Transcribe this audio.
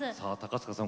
塚さん